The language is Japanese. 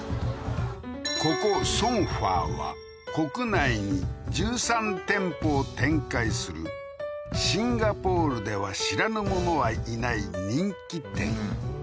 ここソンファは国内に１３店舗を展開するシンガポールでは知らぬ者はいない人気店